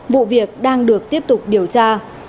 vụ việc đang được tiếp tục điều tra